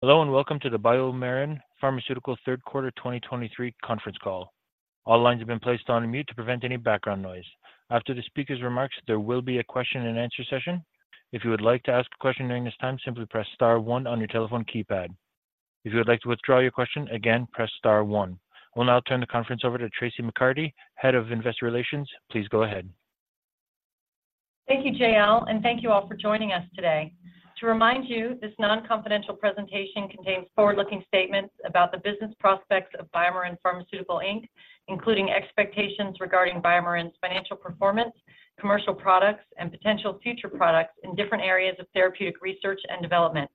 Hello, and welcome to the BioMarin Pharmaceutical third quarter 2023 conference call. All lines have been placed on mute to prevent any background noise. After the speaker's remarks, there will be a question and answer session. If you would like to ask a question during this time, simply press star one on your telephone keypad. If you would like to withdraw your question again, press star one. We'll now turn the conference over to Traci McCarty, Head of Investor Relations. Please go ahead. Thank you, JL, and thank you all for joining us today. To remind you, this non-confidential presentation contains forward-looking statements about the business prospects of BioMarin Pharmaceutical Inc., including expectations regarding BioMarin's financial performance, commercial products, and potential future products in different areas of therapeutic research and development.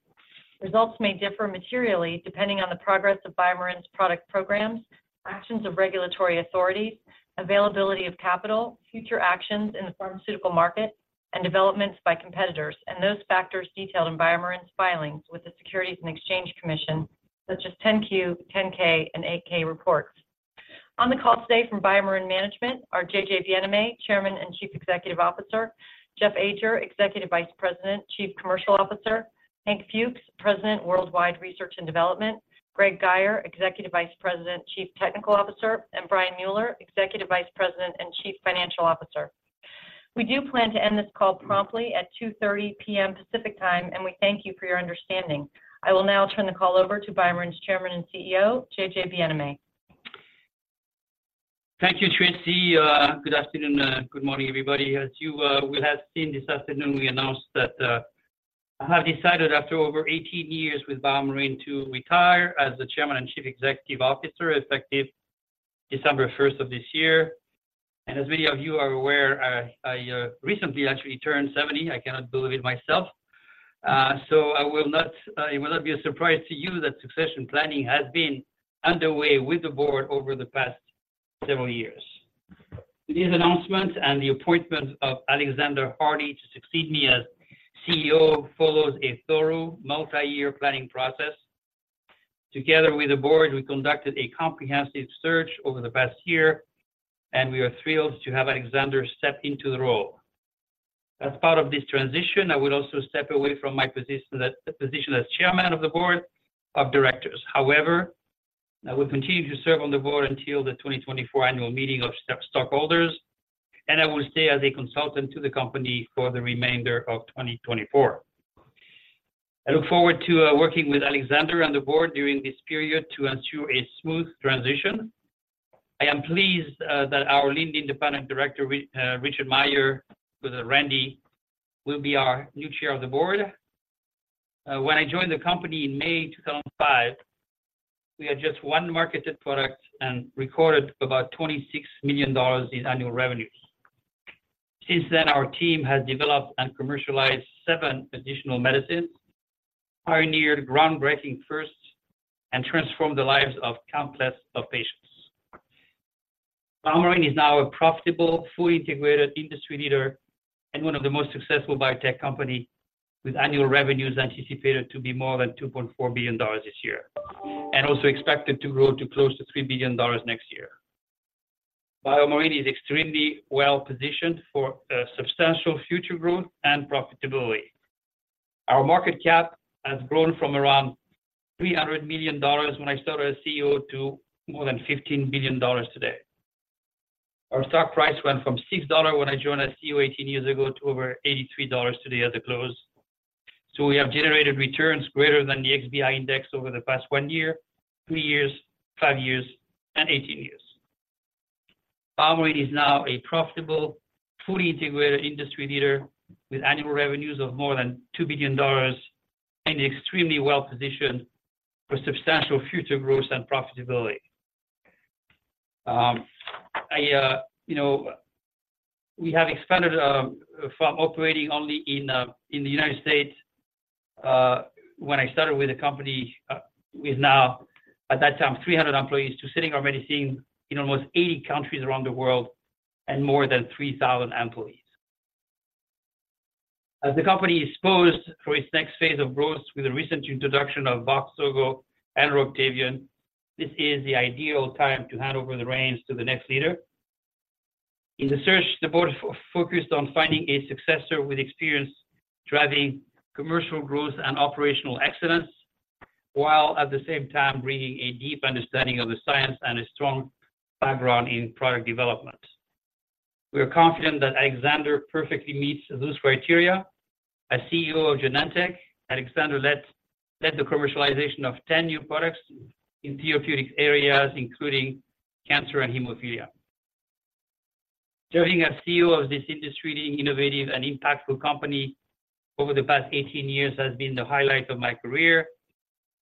Results may differ materially depending on the progress of BioMarin's product programs, actions of regulatory authorities, availability of capital, future actions in the pharmaceutical market, and developments by competitors, and those factors detailed in BioMarin's filings with the Securities and Exchange Commission, such as 10-Q, 10-K, and 8-K reports. On the call today from BioMarin Management are JJ Bienaimé, Chairman and Chief Executive Officer, Jeff Ajer, Executive Vice President, Chief Commercial Officer, Hank Fuchs, President, Worldwide Research and Development, Greg Guyer, Executive Vice President, Chief Technical Officer, and Brian Mueller, Executive Vice President and Chief Financial Officer. We do plan to end this call promptly at 2:30 P.M. Pacific Time, and we thank you for your understanding. I will now turn the call over to BioMarin's Chairman and CEO, JJ Bienaimé. Thank you, Traci. Good afternoon, good morning, everybody. As you will have seen this afternoon, we announced that I have decided after over 18 years with BioMarin to retire as the Chairman and Chief Executive Officer, effective December, 1st of this year. As many of you are aware, I recently actually turned 70. I cannot believe it myself. So it will not be a surprise to you that succession planning has been underway with the board over the past several years. This announcement and the appointment of Alexander Hardy to succeed me as CEO follows a thorough multi-year planning process. Together with the board, we conducted a comprehensive search over the past year, and we are thrilled to have Alexander step into the role. As part of this transition, I will also step away from my position as Chairman of the Board of Directors. However, I will continue to serve on the board until the 2024 annual meeting of stockholders, and I will stay as a consultant to the company for the remainder of 2024. I look forward to working with Alexander and the board during this period to ensure a smooth transition. I am pleased that our leading independent director, Richard A. Meier, Randy, will be our new Chair of the Board. When I joined the company in May 2005, we had just one marketed product and recorded about $26 million in annual revenues. Since then, our team has developed and commercialized seven additional medicines, pioneered groundbreaking firsts, and transformed the lives of countless patients. BioMarin is now a profitable, fully integrated industry leader and one of the most successful biotech company, with annual revenues anticipated to be more than $2.4 billion this year, and also expected to grow to close to $3 billion next year. BioMarin is extremely well-positioned for substantial future growth and profitability. Our market cap has grown from around $300 million when I started as CEO to more than $15 billion today. Our stock price went from $6 when I joined as CEO 18 years ago, to over $83 today at the close. So we have generated returns greater than the XBI index over the past one year, three years, five years, and 18 years. BioMarin is now a profitable, fully integrated industry leader with annual revenues of more than $2 billion and extremely well-positioned for substantial future growth and profitability. You know, we have expanded from operating only in the United States, when I started with the company, with now, at that time, 300 employees, to sitting already seeing in almost 80 countries around the world and more than 3,000 employees. As the company is poised for its next phase of growth with the recent introduction of Voxzogo and Roctavian, this is the ideal time to hand over the reins to the next leader. In the search, the board focused on finding a successor with experience driving commercial growth and operational excellence, while at the same time bringing a deep understanding of the science and a strong background in product development. We are confident that Alexander perfectly meets those criteria. As CEO of Genentech, Alexander led the commercialization of 10 new products in therapeutics areas, including cancer and hemophilia. Serving as CEO of this industry, leading innovative and impactful company over the past 18 years has been the highlight of my career.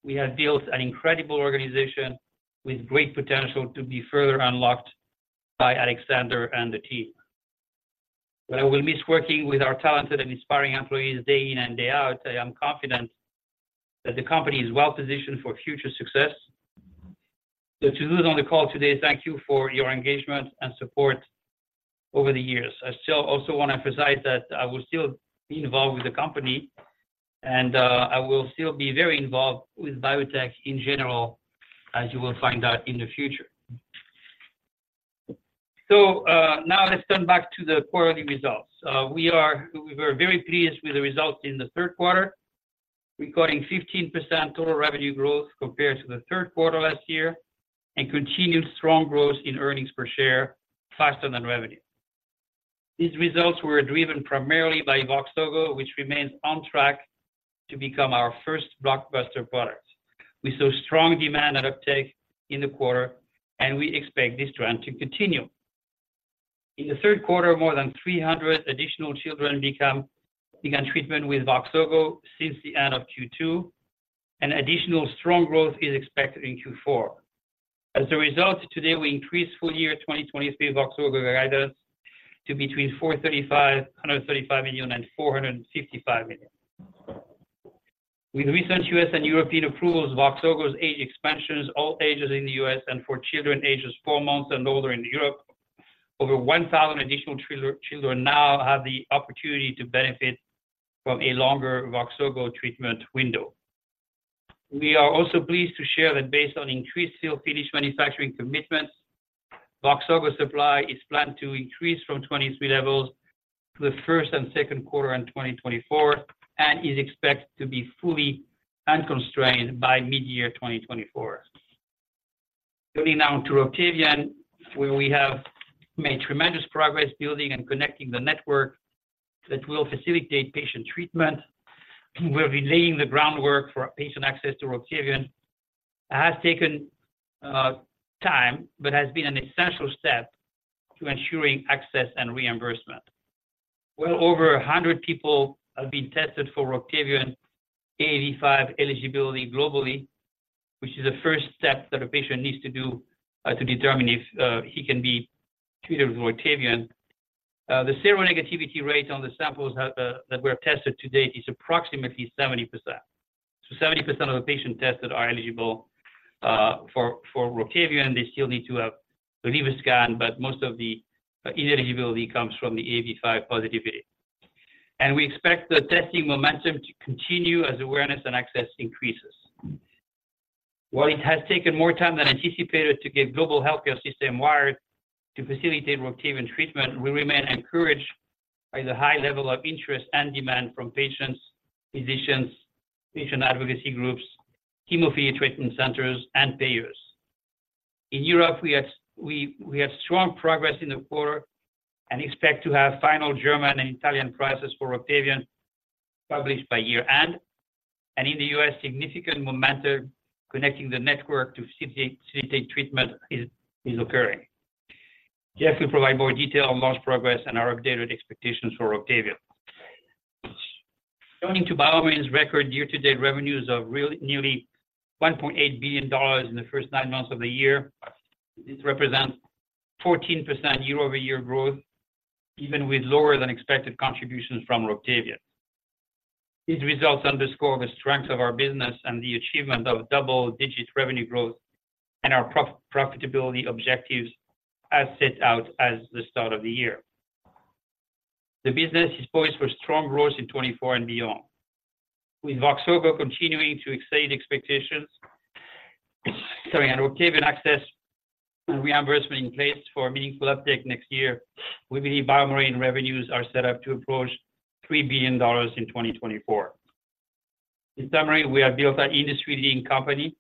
We have built an incredible organization with great potential to be further unlocked by Alexander and the team. While I will miss working with our talented and inspiring employees day in and day out, I am confident that the company is well positioned for future success. So to those on the call today, thank you for your engagement and support over the years. I still also want to emphasize that I will still be involved with the company and, I will still be very involved with biotech in general, as you will find out in the future. So, now let's turn back to the quarterly results. We were very pleased with the results in the third quarter, recording 15% total revenue growth compared to the third quarter last year, and continued strong growth in earnings per share faster than revenue. These results were driven primarily by Voxzogo, which remains on track to become our first blockbuster product. We saw strong demand and uptake in the quarter, and we expect this trend to continue. In the third quarter, more than 300 additional children began treatment with Voxzogo since the end of Q2, and additional strong growth is expected in Q4. As a result, today, we increased full year 2023 Voxzogo guidance to between $435 million and $455 million. With recent U.S. and European approvals, Voxzogo's age expansions, all ages in the U.S. and for children ages four months and older in Europe, over 1,000 additional children now have the opportunity to benefit from a longer Voxzogo treatment window. We are also pleased to share that based on increased finished manufacturing commitments, Voxzogo supply is planned to increase from 2023 levels to the first and second quarter in 2024, and is expected to be fully unconstrained by mid-year 2024. Turning now to Roctavian, where we have made tremendous progress building and connecting the network that will facilitate patient treatment. We're laying the groundwork for patient access to Roctavian. It has taken time, but has been an essential step to ensuring access and reimbursement. Well, over 100 people have been tested for Roctavian AAV5 eligibility globally, which is the first step that a patient needs to do to determine if he can be treated with Roctavian. The seronegativity rate on the samples that were tested to date is approximately 70%. So 70% of the patients tested are eligible for Roctavian. They still need to have a liver scan, but most of the ineligibility comes from the AAV5 positivity. We expect the testing momentum to continue as awareness and access increases. While it has taken more time than anticipated to get global healthcare system wired to facilitate Roctavian treatment, we remain encouraged by the high level of interest and demand from patients, physicians, patient advocacy groups, hemophilia treatment centers, and payers. In Europe, we have strong progress in the quarter and expect to have final German and Italian prices for Roctavian published by year-end. In the U.S., significant momentum connecting the network to facilitate treatment is occurring. Jeff will provide more detail on launch progress and our updated expectations for Roctavian. Turning to BioMarin's record year-to-date revenues of nearly $1.8 billion in the first nine months of the year. This represents 14% year-over-year growth, even with lower than expected contributions from Roctavian. These results underscore the strength of our business and the achievement of double-digit revenue growth and our profitability objectives as set out at the start of the year. The business is poised for strong growth in 2024 and beyond. With Voxzogo continuing to exceed expectations, and Roctavian access and reimbursement in place for a meaningful uptake next year, we believe BioMarin revenues are set up to approach $3 billion in 2024. In summary, we have built an industry-leading company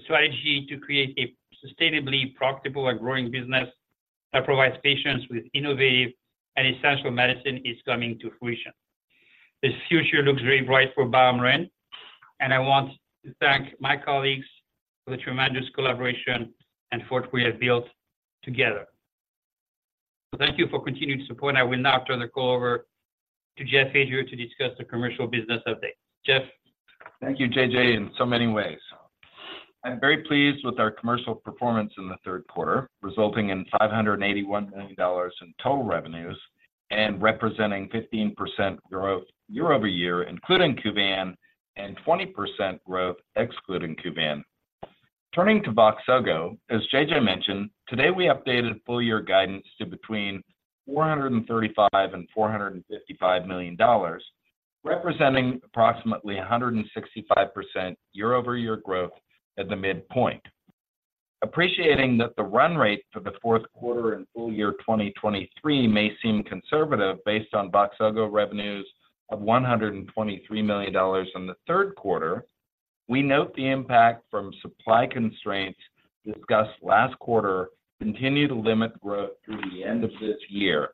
strategy to create a sustainably profitable and growing business that provides patients with innovative and essential medicine is coming to fruition. The future looks very bright for BioMarin, and I want to thank my colleagues for the tremendous collaboration and what we have built together. Thank you for continued support. I will now turn the call over to Jeff Ajer to discuss the commercial business update. Jeff? Thank you, JJ, in so many ways. I'm very pleased with our commercial performance in the third quarter, resulting in $581 million in total revenues and representing 15% growth year-over-year, including Kuvan, and 20% growth excluding Kuvan. Turning to Voxzogo, as JJ mentioned, today, we updated full year guidance to between $435 million and $455 million, representing approximately 165% year-over-year growth at the midpoint. Appreciating that the run rate for the fourth quarter and full year 2023 may seem conservative based on Voxzogo revenues of $123 million in the third quarter, we note the impact from supply constraints discussed last quarter continue to limit growth through the end of this year.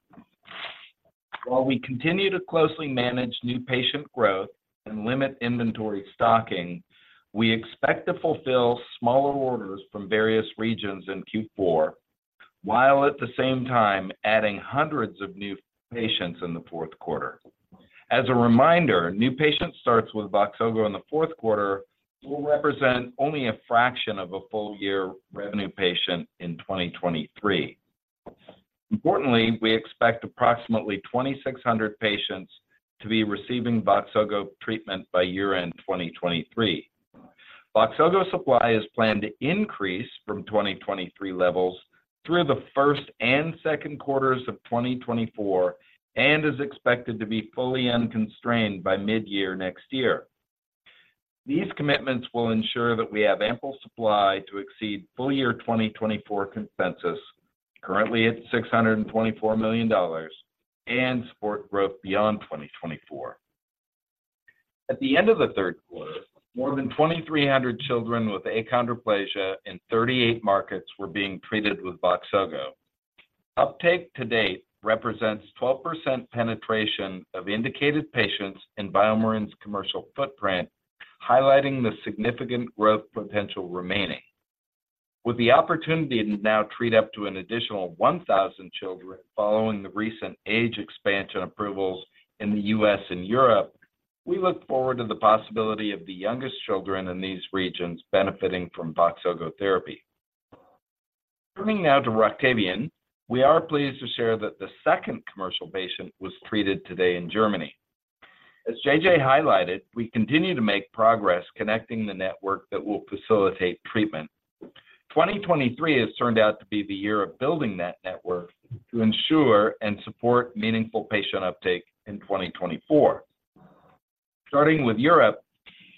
While we continue to closely manage new patient growth and limit inventory stocking, we expect to fulfill smaller orders from various regions in Q4, while at the same time adding 100s of new patients in the fourth quarter. As a reminder, new patient starts with Voxzogo in the fourth quarter will represent only a fraction of a full year revenue patient in 2023. Importantly, we expect approximately 2,600 patients to be receiving Voxzogo treatment by year-end 2023. Voxzogo supply is planned to increase from 2023 levels through the first and second quarters of 2024 and is expected to be fully unconstrained by mid-year next year. These commitments will ensure that we have ample supply to exceed full year 2024 consensus, currently at $624 million, and support growth beyond 2024. At the end of the third quarter, more than 2,300 children with achondroplasia in 38 markets were being treated with Voxzogo. Uptake to date represents 12% penetration of indicated patients in BioMarin's commercial footprint, highlighting the significant growth potential remaining. With the opportunity to now treat up to an additional 1,000 children following the recent age expansion approvals in the U.S. and Europe, we look forward to the possibility of the youngest children in these regions benefiting from Voxzogo therapy. Turning now to Roctavian, we are pleased to share that the second commercial patient was treated today in Germany. As JJ highlighted, we continue to make progress connecting the network that will facilitate treatment. 2023 has turned out to be the year of building that network to ensure and support meaningful patient uptake in 2024. Starting with Europe,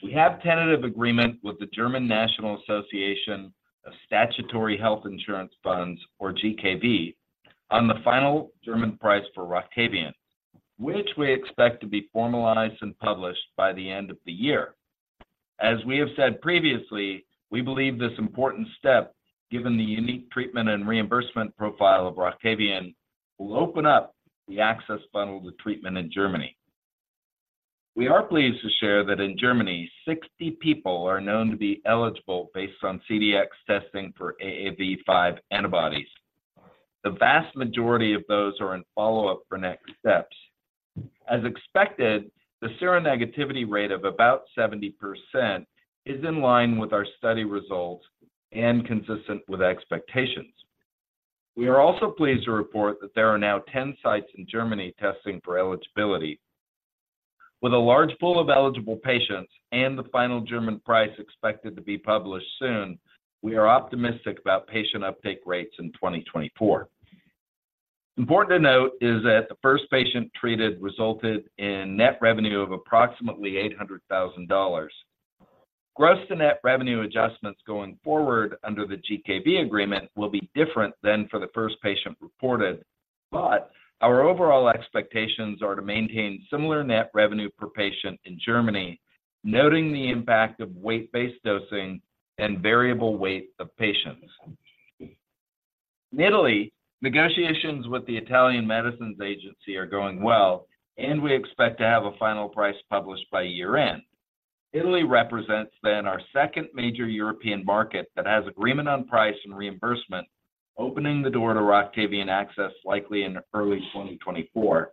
we have tentative agreement with the German National Association of Statutory Health Insurance Funds, or GKV, on the final German price for Roctavian, which we expect to be formalized and published by the end of the year. As we have said previously, we believe this important step, given the unique treatment and reimbursement profile of Roctavian, will open up the access funnel to treatment in Germany. We are pleased to share that in Germany, 60 people are known to be eligible based on CDx testing for AAV5 antibodies. The vast majority of those are in follow-up for next steps. As expected, the seronegativity rate of about 70% is in line with our study results and consistent with expectations. We are also pleased to report that there are now 10 sites in Germany testing for eligibility. With a large pool of eligible patients and the final German price expected to be published soon, we are optimistic about patient uptake rates in 2024. Important to note is that the first patient treated resulted in net revenue of approximately $800,000. Gross-to-net revenue adjustments going forward under the GKV agreement will be different than for the first patient reported, but our overall expectations are to maintain similar net revenue per patient in Germany, noting the impact of weight-based dosing and variable weight of patients. In Italy, negotiations with the Italian Medicines Agency are going well, and we expect to have a final price published by year-end. Italy represents then our second major European market that has agreement on price and reimbursement, opening the door to Roctavian access likely in early 2024.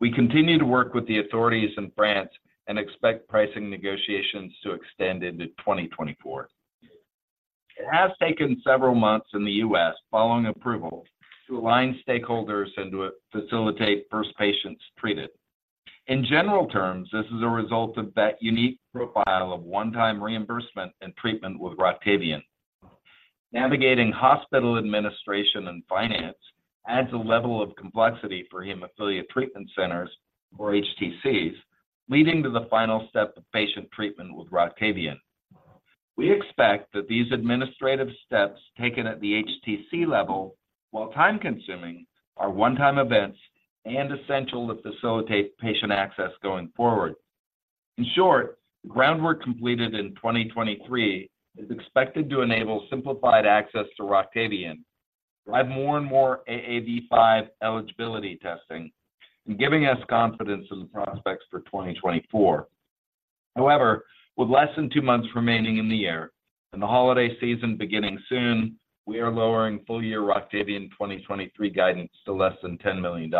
We continue to work with the authorities in France and expect pricing negotiations to extend into 2024. It has taken several months in the U.S. following approval to align stakeholders and to facilitate first patients treated. In general terms, this is a result of that unique profile of one-time reimbursement and treatment with Roctavian. Navigating hospital administration and finance adds a level of complexity for hemophilia treatment centers, or HTCs, leading to the final step of patient treatment with Roctavian. We expect that these administrative steps taken at the HTC level, while time-consuming, are one-time events and essential to facilitate patient access going forward. In short, the groundwork completed in 2023 is expected to enable simplified access to Roctavian, drive more and more AAV5 eligibility testing, and giving us confidence in the prospects for 2024. However, with less than two months remaining in the year and the holiday season beginning soon, we are lowering full-year Roctavian 2023 guidance to less than $10 million.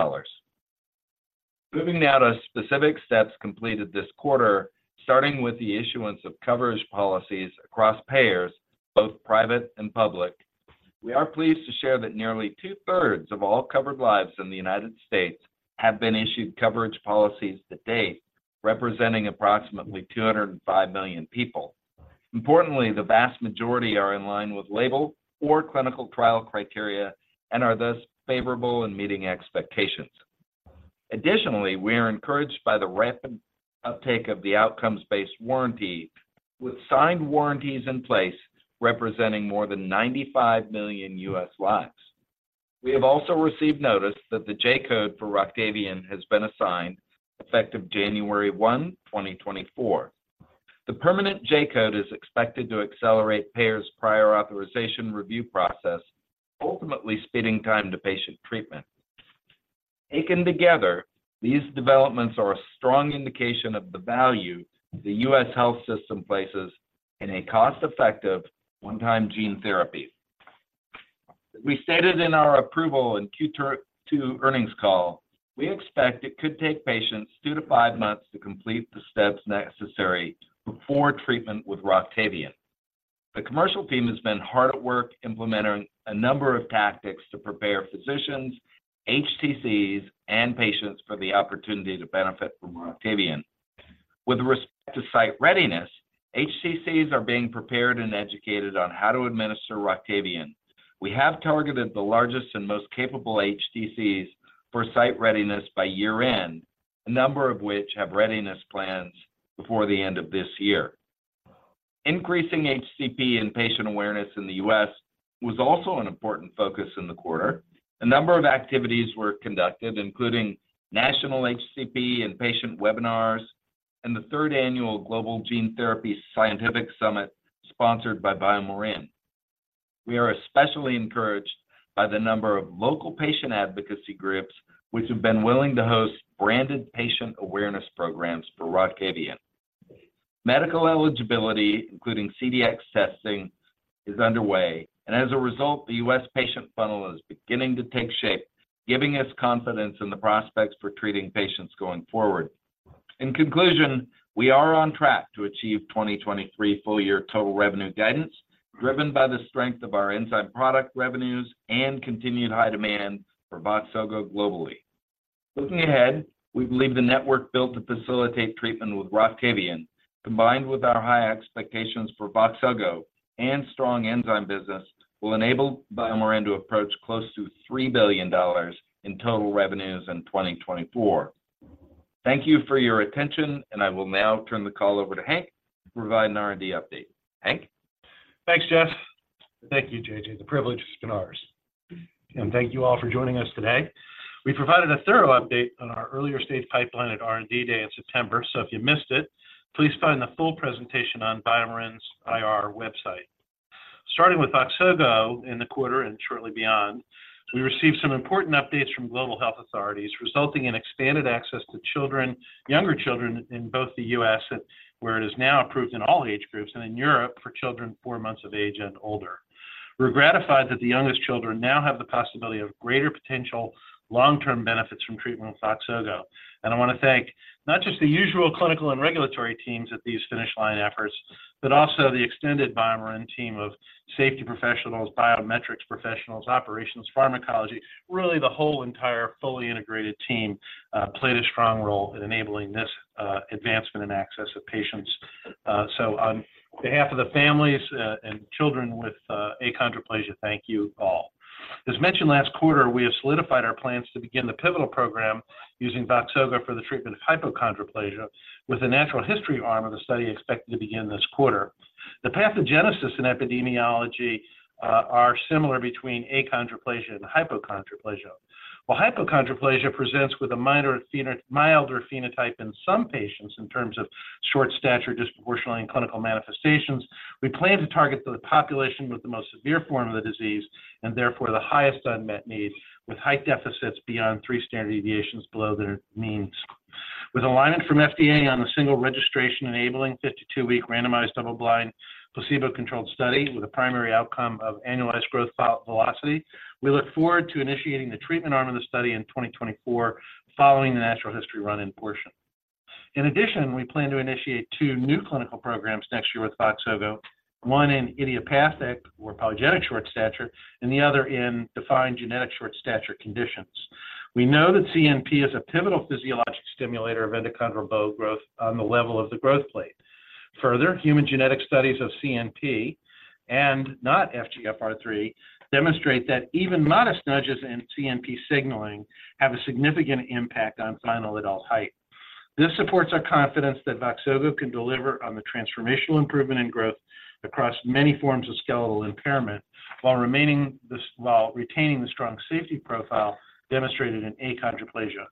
Moving now to specific steps completed this quarter, starting with the issuance of coverage policies across payers, both private and public. We are pleased to share that nearly two-thirds of all covered lives in the United States have been issued coverage policies to date, representing approximately 205 million people. Importantly, the vast majority are in line with label or clinical trial criteria and are thus favorable in meeting expectations. Additionally, we are encouraged by the rapid uptake of the outcomes-based warranty, with signed warranties in place representing more than 95 million U.S. lives. We have also received notice that the J-code for Roctavian has been assigned, effective January 1, 2024. The permanent J-code is expected to accelerate payers' prior authorization review process, ultimately speeding time to patient treatment. Taken together, these developments are a strong indication of the value the U.S. health system places in a cost-effective, one-time gene therapy. We stated in our approval in Q2, two earnings call, we expect it could take patients two to five months to complete the steps necessary before treatment with Roctavian. The commercial team has been hard at work implementing a number of tactics to prepare physicians, HTCs, and patients for the opportunity to benefit from Roctavian. With respect to site readiness, HTCs are being prepared and educated on how to administer Roctavian. We have targeted the largest and most capable HTCs for site readiness by year-end, a number of which have readiness plans before the end of this year. Increasing HCP and patient awareness in the U.S. was also an important focus in the quarter. A number of activities were conducted, including national HCP and patient webinars, and the third annual Global Cell & Gene Therapy Summit, sponsored by BioMarin. We are especially encouraged by the number of local patient advocacy groups, which have been willing to host branded patient awareness programs for Roctavian. Medical eligibility, including CDx testing, is underway, and as a result, the U.S. patient funnel is beginning to take shape, giving us confidence in the prospects for treating patients going forward. In conclusion, we are on track to achieve 2023 full-year total revenue guidance, driven by the strength of our enzyme product revenues and continued high demand for Voxzogo globally. Looking ahead, we believe the network built to facilitate treatment with Roctavian, combined with our high expectations for Voxzogo and strong enzyme business, will enable BioMarin to approach close to $3 billion in total revenues in 2024. Thank you for your attention, and I will now turn the call over to Hank to provide an R&D update. Hank? Thanks, Jeff. Thank you, JJ. The privilege is ours. Thank you all for joining us today. We provided a thorough update on our earlier-stage pipeline at R&D Day in September. So if you missed it, please find the full presentation on BioMarin's IR website. Starting with Voxzogo in the quarter and shortly beyond, we received some important updates from global health authorities, resulting in expanded access to children, younger children in both the U.S., and where it is now approved in all age groups, and in Europe for children four months of age and older. We're gratified that the youngest children now have the possibility of greater potential long-term benefits from treatment with Voxzogo. I want to thank not just the usual clinical and regulatory teams at these finish line efforts, but also the extended BioMarin team of safety professionals, biometrics professionals, operations, pharmacology. Really, the whole entire fully integrated team played a strong role in enabling this advancement and access of patients. So on behalf of the families and children with achondroplasia, thank you all. As mentioned last quarter, we have solidified our plans to begin the pivotal program using Voxzogo for the treatment of hypochondroplasia, with the natural history arm of the study expected to begin this quarter. The pathogenesis and epidemiology are similar between achondroplasia and hypochondroplasia. While hypochondroplasia presents with a milder phenotype in some patients in terms of short stature, disproportionately in clinical manifestations, we plan to target the population with the most severe form of the disease, and therefore, the highest unmet need, with high deficits beyond three standard deviations below their means. With alignment from FDA on the single registration, enabling 52-week randomized, double-blind, placebo-controlled study with a primary outcome of annualized growth velocity, we look forward to initiating the treatment arm of the study in 2024, following the natural history run-in portion. In addition, we plan to initiate two new clinical programs next year with Voxzogo, one in idiopathic or polygenic short stature, and the other in defined genetic short stature conditions. We know that CNP is a pivotal physiologic stimulator of endochondral bone growth on the level of the growth plate. Further, human genetic studies of CNP and not FGFR3 demonstrate that even modest nudges in CNP signaling have a significant impact on final adult height. This supports our confidence that Voxzogo can deliver on the transformational improvement in growth across many forms of skeletal impairment, while retaining the strong safety profile demonstrated in achondroplasia.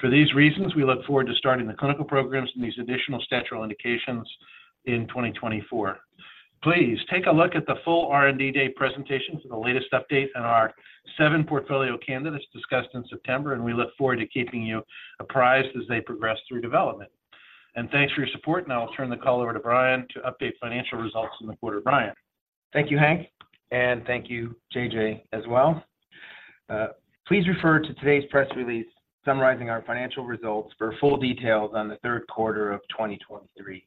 For these reasons, we look forward to starting the clinical programs in these additional statural indications in 2024. Please take a look at the full R&D Day presentation for the latest update on our seven portfolio candidates discussed in September, and we look forward to keeping you apprised as they progress through development. Thanks for your support, and I'll turn the call over to Brian to update financial results in the quarter. Brian? Thank you, Hank, and thank you, JJ, as well. Please refer to today's Press Release summarizing our financial results for full details on the third quarter of 2023.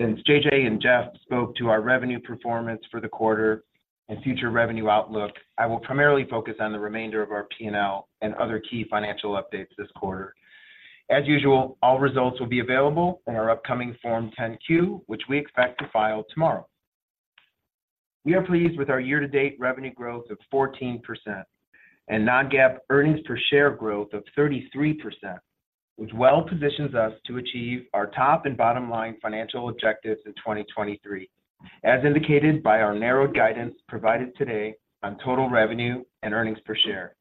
Since JJ and Jeff spoke to our revenue performance for the quarter and future revenue outlook, I will primarily focus on the remainder of our P&L and other key financial updates this quarter. As usual, all results will be available in our upcoming Form 10-Q, which we expect to file tomorrow. We are pleased with our year-to-date revenue growth of 14% and non-GAAP earnings per share growth of 33%, which well positions us to achieve our top and bottom line financial objectives in 2023, as indicated by our narrowed guidance provided today on total revenue and earnings per share.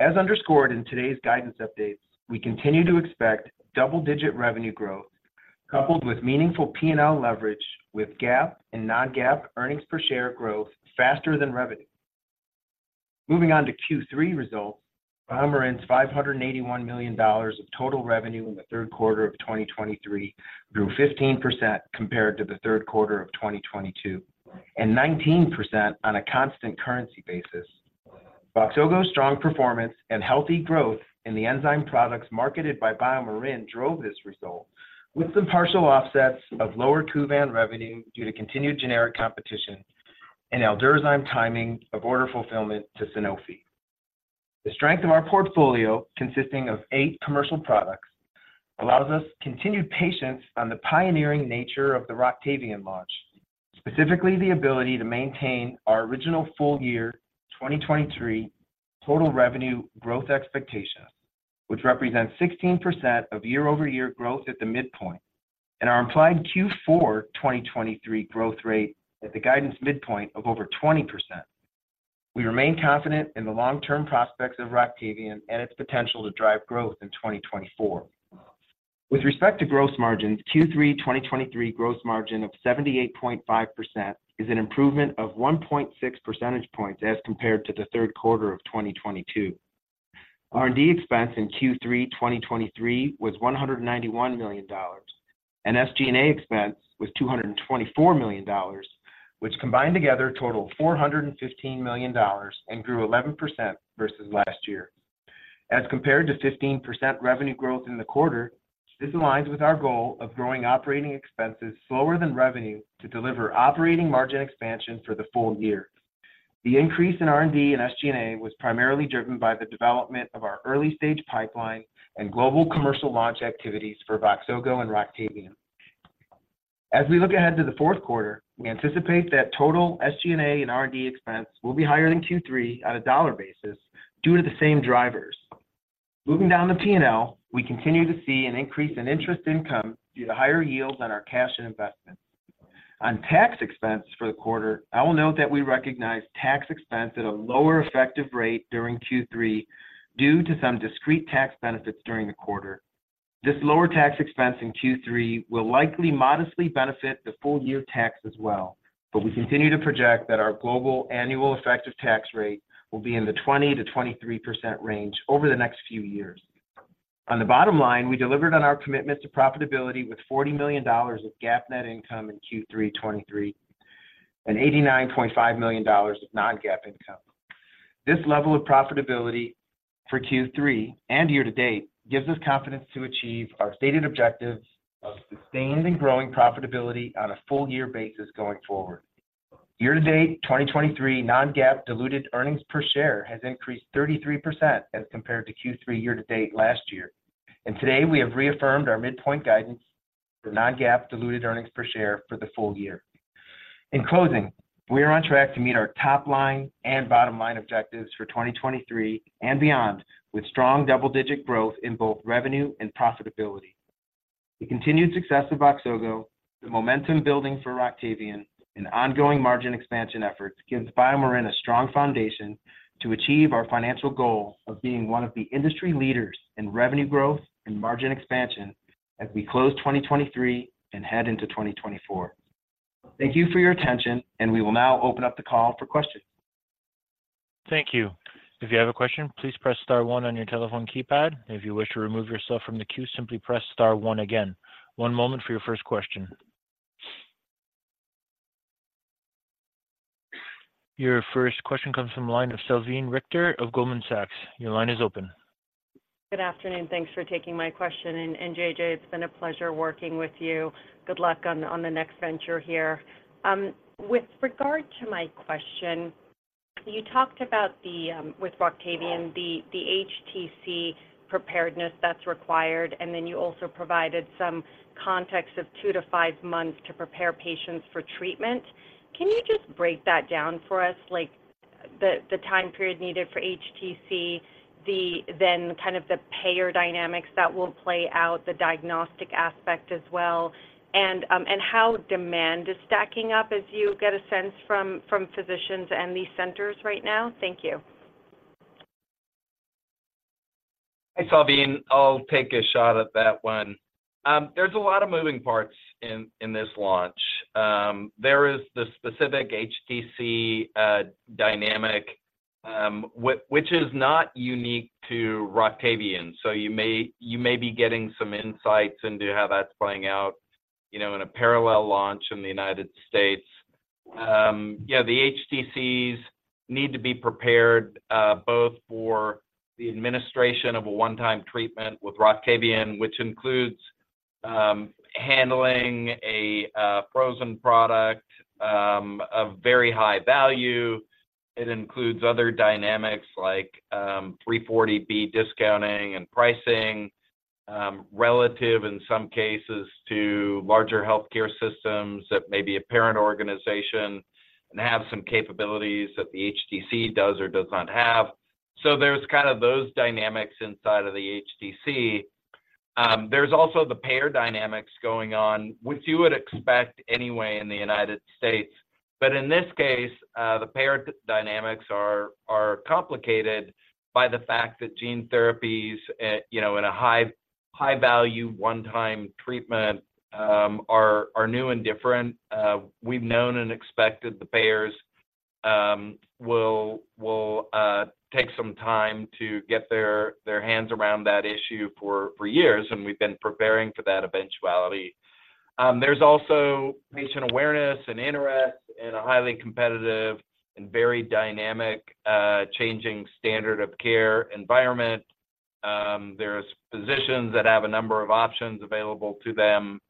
As underscored in today's guidance updates, we continue to expect double-digit revenue growth, coupled with meaningful P&L leverage, with GAAP and non-GAAP earnings per share growth faster than revenue. Moving on to Q3 results, BioMarin's $581 million of total revenue in the third quarter of 2023 grew 15% compared to the third quarter of 2022, and 19% on a constant currency basis. Voxzogo's strong performance and healthy growth in the enzyme products marketed by BioMarin drove this result, with some partial offsets of lower Kuvan revenue due to continued generic competition and Aldurazyme timing of order fulfillment to Sanofi. The strength of our portfolio, consisting of eight commercial products, allows us continued patience on the pioneering nature of the Roctavian launch. Specifically, the ability to maintain our original full year 2023 total revenue growth expectation, which represents 16% year-over-year growth at the midpoint and our implied Q4 2023 growth rate at the guidance midpoint of over 20%. We remain confident in the long-term prospects of Roctavian and its potential to drive growth in 2024. With respect to gross margins, Q3 2023 gross margin of 78.5% is an improvement of 1.6 percentage points as compared to the third quarter of 2022. R&D expense in Q3 2023 was $191 million, and SG&A expense was $224 million, which combined together total $415 million and grew 11% versus last year. As compared to 15% revenue growth in the quarter, this aligns with our goal of growing operating expenses slower than revenue to deliver operating margin expansion for the full year. The increase in R&D and SG&A was primarily driven by the development of our early-stage pipeline and global commercial launch activities for Voxzogo and Roctavian. As we look ahead to the fourth quarter, we anticipate that total SG&A and R&D expense will be higher than Q3 on a dollar basis due to the same drivers. Moving down the P&L, we continue to see an increase in interest income due to higher yields on our cash and investments. On tax expense for the quarter, I will note that we recognize tax expense at a lower effective rate during Q3 due to some discrete tax benefits during the quarter. This lower tax expense in Q3 will likely modestly benefit the full-year tax as well, but we continue to project that our global annual effective tax rate will be in the 20%-23% range over the next few years. On the bottom line, we delivered on our commitment to profitability with $40 million of GAAP net income in Q3 2023, and $89.5 million of non-GAAP income. This level of profitability for Q3 and year to date gives us confidence to achieve our stated objectives of sustained and growing profitability on a full year basis going forward. Year-to-date, 2023 non-GAAP diluted earnings per share has increased 33% as compared to Q3 year-to-date last year, and today we have reaffirmed our midpoint guidance for non-GAAP diluted earnings per share for the full year. In closing, we are on track to meet our top line and bottom line objectives for 2023 and beyond, with strong double-digit growth in both revenue and profitability. The continued success of Voxzogo, the momentum building for Roctavian, and ongoing margin expansion efforts gives BioMarin a strong foundation to achieve our financial goal of being one of the industry leaders in revenue growth and margin expansion as we close 2023 and head into 2024. Thank you for your attention, and we will now open up the call for questions. Thank you. If you have a question, please press star one on your telephone keypad. If you wish to remove yourself from the queue, simply press star one again. One moment for your first question. Your first question comes from the line of Salveen Richter of Goldman Sachs. Your line is open. Good afternoon. Thanks for taking my question, and, and JJ, it's been a pleasure working with you. Good luck on, on the next venture here. With regard to my question, you talked about the with Roctavian, the HTC preparedness that's required, and then you also provided some context of two to five months to prepare patients for treatment. Can you just break that down for us? Like the time period needed for HTC, then kind of the payer dynamics that will play out, the diagnostic aspect as well, and how demand is stacking up as you get a sense from physicians and these centers right now? Thank you. Hi, Salveen. I'll take a shot at that one. There's a lot of moving parts in this launch. There is the specific HTC dynamic, which is not unique to Roctavian, so you may be getting some insights into how that's playing out, you know, in a parallel launch in the United States. Yeah, the HTCs need to be prepared, both for the administration of a one-time treatment with Roctavian, which includes handling a frozen product of very high value. It includes other dynamics like 340B discounting and pricing, relative, in some cases, to larger healthcare systems that may be a parent organization and have some capabilities that the HTC does or does not have. So there's kind of those dynamics inside of the HTC. There's also the payer dynamics going on, which you would expect anyway in the United States. But in this case, the payer dynamics are complicated by the fact that gene therapies at, you know, at a high, high value, one-time treatment, are new and different. We've known and expected the payers will take some time to get their hands around that issue for years, and we've been preparing for that eventuality. There's also patient awareness and interest in a highly competitive and very dynamic, changing standard of care environment. There's physicians that have a number of options available to them.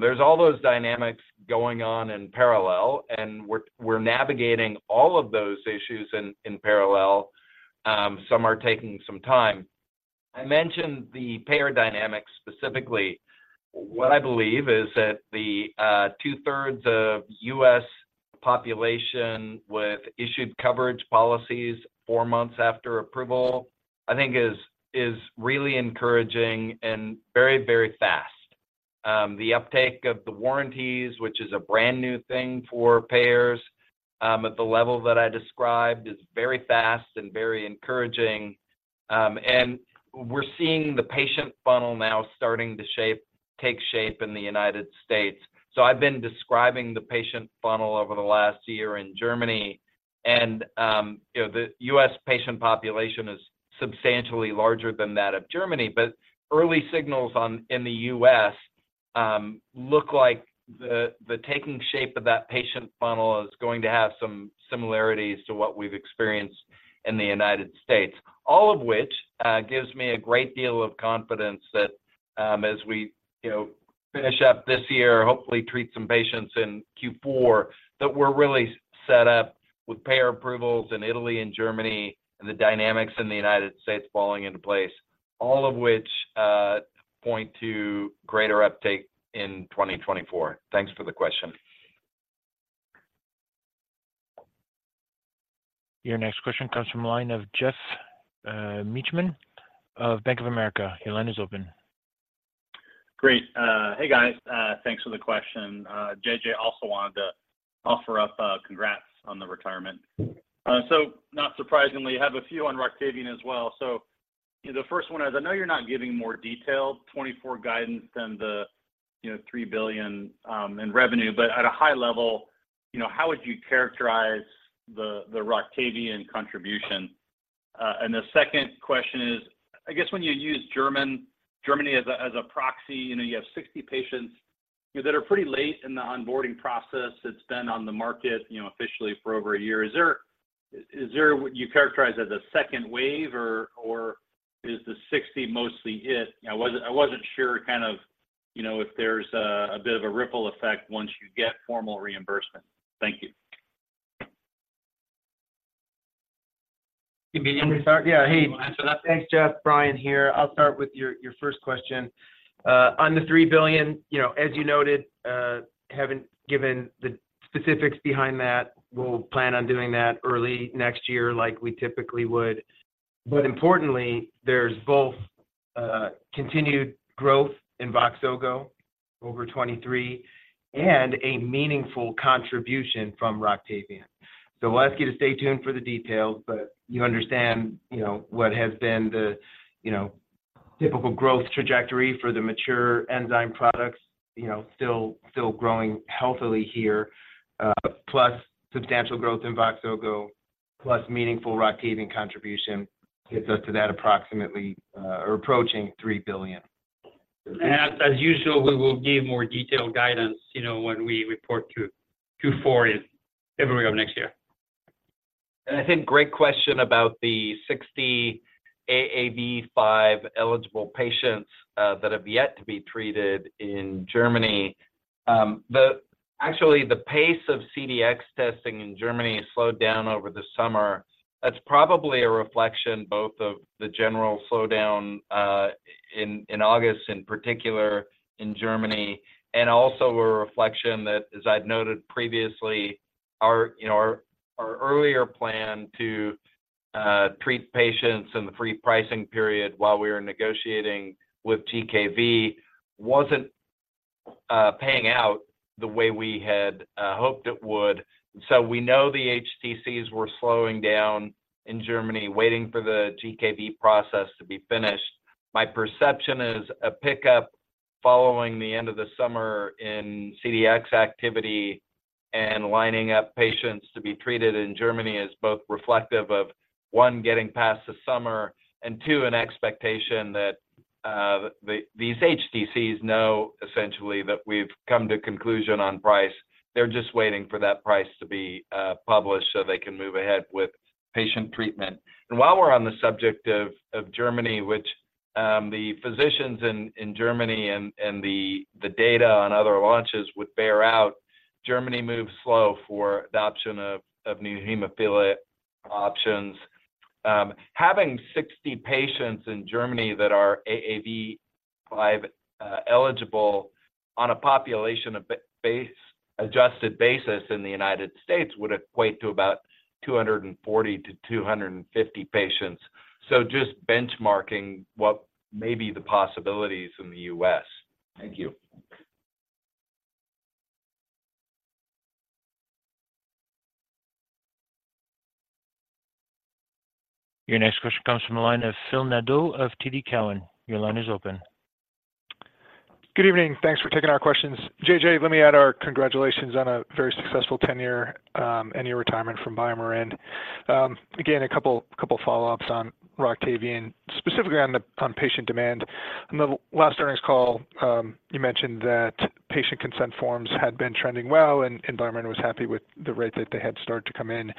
There's all those dynamics going on in parallel, and we're, we're navigating all of those issues in, in parallel. Some are taking some time. I mentioned the payer dynamics specifically. What I believe is that the two-thirds of U.S. population with issued coverage policies four months after approval, I think is really encouraging and very, very fast. The uptake of the warranties, which is a brand-new thing for payers, at the level that I described, is very fast and very encouraging. And we're seeing the patient funnel now starting to take shape in the United States. So I've been describing the patient funnel over the last year in Germany and, you know, the U.S. patient population is substantially larger than that of Germany. But early signals in the U.S. look like the taking shape of that patient funnel is going to have some similarities to what we've experienced in the United States. All of which gives me a great deal of confidence that, as we, you know, finish up this year, hopefully treat some patients in Q4, that we're really set up with payer approvals in Italy and Germany, and the dynamics in the United States falling into place. All of which point to greater uptake in 2024. Thanks for the question. Your next question comes from the line of Geoff Meacham of Bank of America. Your line is open. Great. Hey, guys, thanks for the question. JJ also wanted to offer up, congrats on the retirement. So not surprisingly, have a few on Roctavian as well. So the first one is, I know you're not giving more detailed 2024 guidance than the, you know, $3 billion in revenue, but at a high level, you know, how would you characterize the Roctavian contribution? And the second question is, I guess when you use Germany as a proxy, you know, you have 60 patients that are pretty late in the onboarding process. It's been on the market, you know, officially for over a year. Is there what you characterize as a second wave or is the 60 mostly it? I wasn't sure kind of, you know, if there's a bit of a ripple effect once you get formal reimbursement. Thank you. You want me to start? Yeah. Hey, thanks, Jeff. Brian here. I'll start with your first question. On the $3 billion, you know, as you noted, haven't given the specifics behind that. We'll plan on doing that early next year like we typically would. But importantly, there's both continued growth in Voxzogo over 2023 and a meaningful contribution from Roctavian. So we'll ask you to stay tuned for the details, but you understand, you know, what has been the, you know, typical growth trajectory for the mature enzyme products, you know, still growing healthily here. Plus substantial growth in Voxzogo, plus meaningful Roctavian contribution gets us to that approximately or approaching $3 billion. As usual, we will give more detailed guidance, you know, when we report Q4 in February of next year. I think great question about the 60 AAV5-eligible patients that have yet to be treated in Germany. Actually, the pace of CDx testing in Germany has slowed down over the summer. That's probably a reflection both of the general slowdown in August, in particular in Germany, and also a reflection that, as I'd noted previously, our you know, our earlier plan to treat patients in the free pricing period while we were negotiating with GKV wasn't paying out the way we had hoped it would. So we know the HTCs were slowing down in Germany, waiting for the GKV process to be finished. My perception is a pickup following the end of the summer in CDx activity and lining up patients to be treated in Germany is both reflective of, one, getting past the summer, and two, an expectation that these HTCs know essentially that we've come to a conclusion on price. They're just waiting for that price to be published so they can move ahead with patient treatment. And while we're on the subject of Germany, which the physicians in Germany and the data on other launches would bear out, Germany moves slow for adoption of new hemophilia options. Having 60 patients in Germany that are AAV5 eligible on a population of base-adjusted basis in the United States would equate to about 240-250 patients. Just benchmarking what may be the possibilities in the U.S. Thank you. Your next question comes from the line of Philip Nadeau of TD Cowen. Your line is open. Good evening. Thanks for taking our questions. JJ, let me add our congratulations on a very successful tenure and your retirement from BioMarin. Again, a couple follow-ups on Roctavian, specifically on the patient demand. On the last earnings call, you mentioned that patient consent forms had been trending well, and BioMarin was happy with the rate that they had started to come in.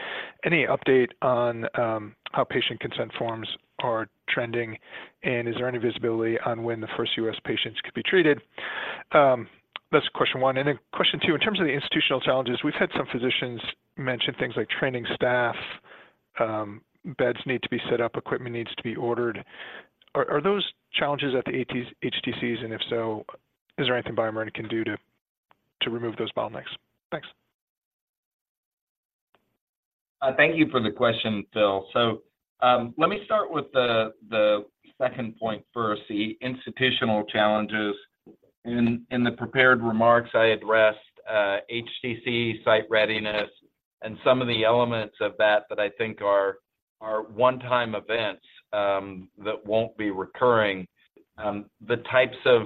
Any update on how patient consent forms are trending, and is there any visibility on when the first U.S. patients could be treated? That's question one, and then question two: in terms of the institutional challenges, we've had some physicians mention things like training staff, beds need to be set up, equipment needs to be ordered. Are those challenges at the HTCs? And if so, is there anything BioMarin can do to remove those bottlenecks? Thanks. Thank you for the question, Phil. So, let me start with the second point first, the institutional challenges. In the prepared remarks I addressed HTC site readiness and some of the elements of that that I think are one-time events that won't be recurring. The types of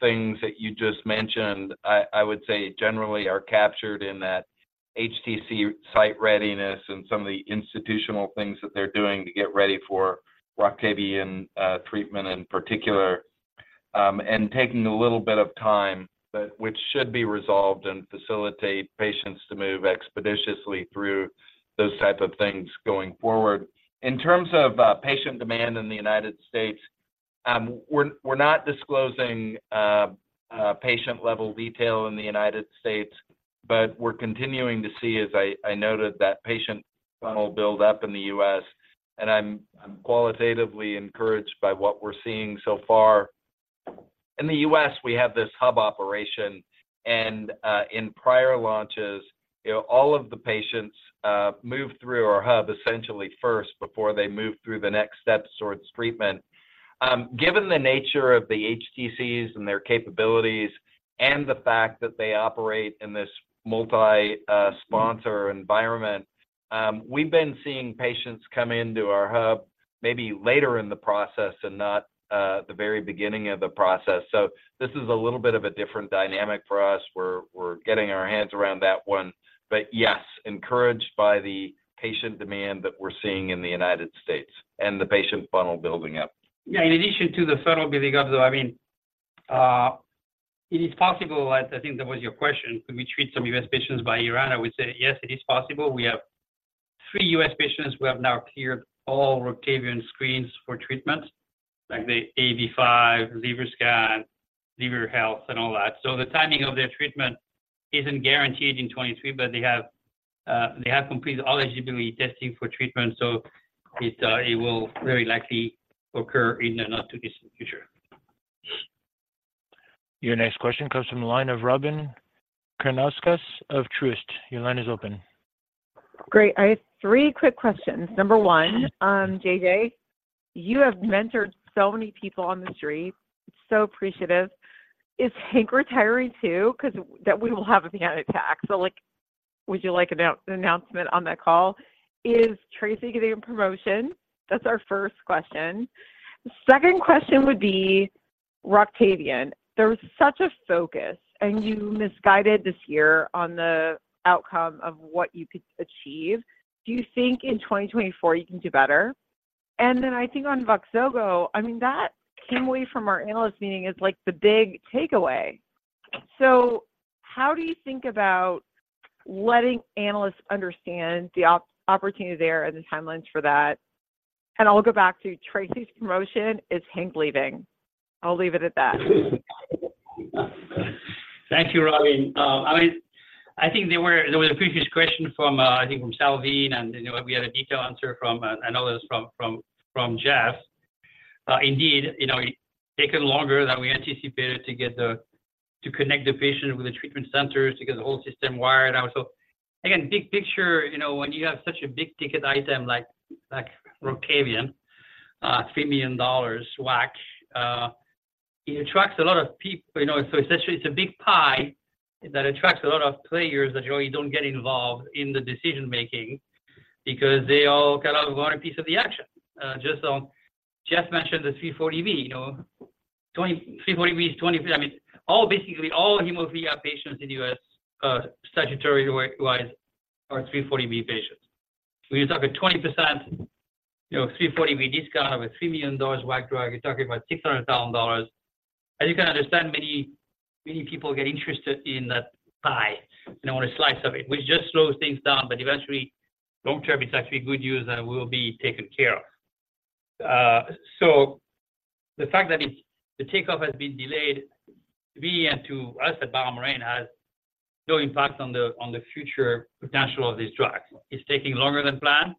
things that you just mentioned, I would say generally are captured in that HTC site readiness and some of the institutional things that they're doing to get ready for Roctavian treatment in particular, and taking a little bit of time, but which should be resolved and facilitate patients to move expeditiously through those type of things going forward. In terms of patient demand in the United States, we're not disclosing patient-level detail in the United States, but we're continuing to see, as I noted, that patient funnel build up in the U.S., and I'm qualitatively encouraged by what we're seeing so far. In the U.S., we have this hub operation, and in prior launches, you know, all of the patients move through our hub essentially first before they move through the next steps towards treatment. Given the nature of the HTCs and their capabilities and the fact that they operate in this multi-sponsor environment, we've been seeing patients come into our hub maybe later in the process and not the very beginning of the process. So this is a little bit of a different dynamic for us. We're getting our hands around that one. But yes, encouraged by the patient demand that we're seeing in the United States and the patient funnel building up. Yeah, in addition to the funnel building up, though, I mean, it is possible. I think that was your question, could we treat some U.S. patients by year-end? I would say, yes, it is possible. We have three U.S. patients who have now cleared all Roctavian screens for treatment, like the AAV5, liver scan, liver health, and all that. So the timing of their treatment isn't guaranteed in 2023, but they have completed all eligibility testing for treatment, so it will very likely occur in the not-too-distant future. Your next question comes from the line of Robyn Karnauskas of Truist. Your line is open. Great. I have three quick questions. Number one, JJ, you have mentored so many people on the Street, so appreciative. Is Hank retiring, too? 'Cause that we will have a panic attack. So, like, would you like an announcement on that call? Is Traci getting a promotion? That's our first question. Second question would be Roctavian. There was such a focus, and you misguided this year on the outcome of what you could achieve. Do you think in 2024 you can do better? And then I think on Voxzogo, I mean, that came away from our analyst meeting as, like, the big takeaway. So how do you think about letting analysts understand the opportunity there and the timelines for that? And I'll go back to Traci's promotion. Is Hank leaving? I'll leave it at that. Thank you, Robyn. I mean, I think there was a previous question from, I think from Salveen, and, you know, we had a detailed answer from, I know it was from Jeff. Indeed, you know, it taken longer than we anticipated to connect the patient with the treatment centers, to get the whole system wired out. So again, big picture, you know, when you have such a big-ticket item like Roctavian, $3 million WAC, it attracts a lot of people, you know, so essentially it's a big pie that attracts a lot of players that usually don't get involved in the decision-making because they all kind of want a piece of the action. Just on... Jeff mentioned the 340B, you know, 20, 340B. I mean, all basically all hemophilia patients in the U.S., Statutory-wise, are 340B patients. So you're talking 20%, you know, 340B discount of a $3 million Roctavian drug, you're talking about $600,000. As you can understand, many, many people get interested in that pie and want a slice of it, which just slows things down, but eventually, long term, it's actually good news, and it will be taken care of. So the fact that it's the takeoff has been delayed to me and to us at BioMarin has no impact on the, on the future potential of this drug. It's taking longer than planned.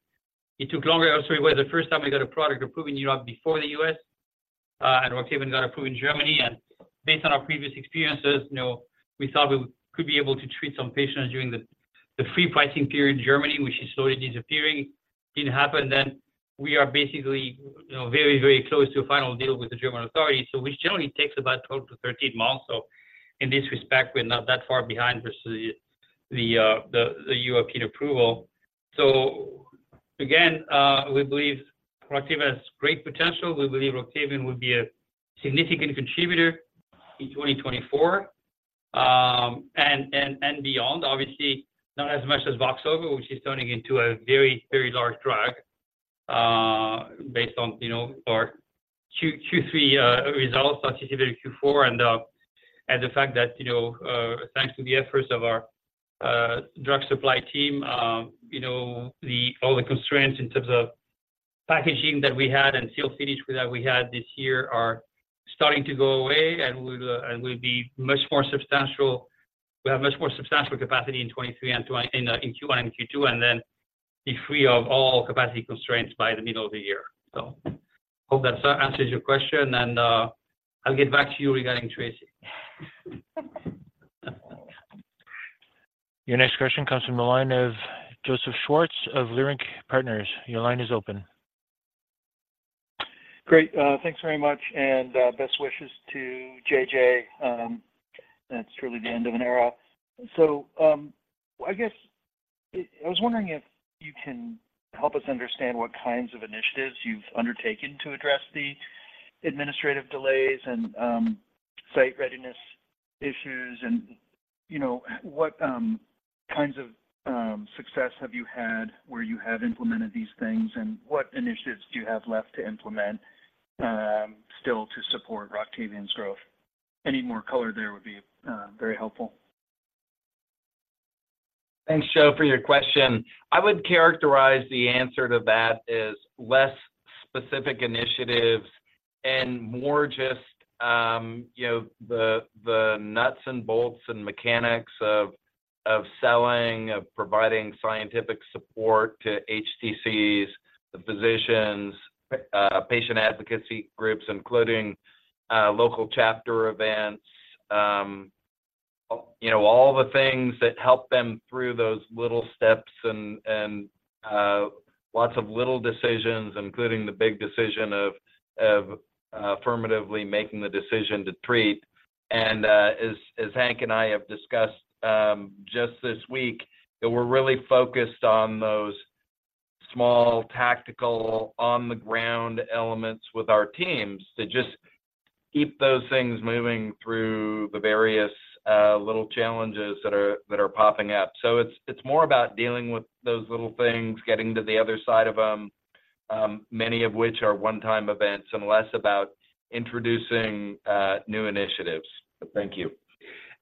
It took longer also where the first time we got a product approved in Europe before the U.S., and Roctavian got approved in Germany, and based on our previous experiences, you know, we thought we could be able to treat some patients during the free pricing period in Germany, which is slowly disappearing, didn't happen then. We are basically, you know, very, very close to a final deal with the German authorities, so which generally takes about 12-13 months. So in this respect, we're not that far behind versus the European approval. So again, we believe Roctavian has great potential. We believe Roctavian will be a significant contributor in 2024, and beyond. Obviously, not as much as Voxzogo, which is turning into a very, very large drug, based on, you know, our Q3 results, anticipated Q4, and the fact that, you know, thanks to the efforts of our drug supply team, you know, all the constraints in terms of packaging that we had and seal finish that we had this year are starting to go away, and we'll be much more substantial. We have much more substantial capacity in 2023 and 2024 in Q1 and Q2, and then be free of all capacity constraints by the middle of the year. So hope that sort of answers your question, and I'll get back to you regarding Traci. Your next question comes from the line of Joseph Schwartz of Leerink Partners. Your line is open. Great. Thanks very much, and best wishes to JJ. That's truly the end of an era. So, I guess I was wondering if you can help us understand what kinds of initiatives you've undertaken to address the administrative delays and site readiness issues, and, you know, what kinds of success have you had where you have implemented these things? And what initiatives do you have left to implement still to support Roctavian's growth? Any more color there would be very helpful. Thanks, Joe, for your question. I would characterize the answer to that as less specific initiatives and more just, you know, the, the nuts and bolts and mechanics of, of selling, of providing scientific support to HTCs, the physicians, patient advocacy groups, including, local chapter events. You know, all the things that help them through those little steps and, and, lots of little decisions, including the big decision of, of, affirmatively making the decision to treat. And, as, as Hank and I have discussed, just this week, that we're really focused on those small, tactical, on-the-ground elements with our teams to just keep those things moving through the various, little challenges that are, that are popping up. So it's more about dealing with those little things, getting to the other side of them, many of which are one-time events, and less about introducing new initiatives. Thank you.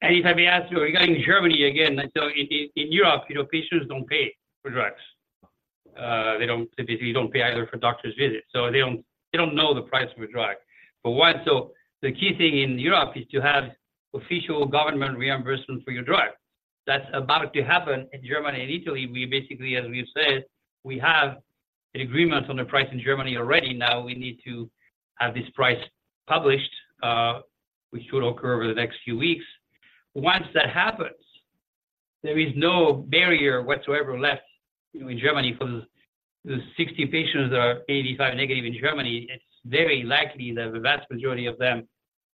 And let me add to it, in Germany again. So in Europe, you know, patients don't pay for drugs. They don't typically pay either for doctor's visits, so they don't know the price of a drug. But what— So the key thing in Europe is to have official government reimbursement for your drug. That's about to happen in Germany and Italy. We basically, as we've said, we have an agreement on the price in Germany already. Now, we need to have this price published, which should occur over the next few weeks. Once that happens, there is no barrier whatsoever left, you know, in Germany, because the 60 patients that are AAV5 negative in Germany, it's very likely that the vast majority of them